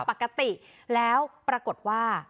ปกติแล้วปรากฏว่า